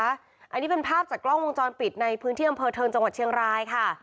อันนี้เป็นภาพจากกล้องวงจรปิดในพื้นที่อำเภอเทิงจังหวัดเชียงรายค่ะ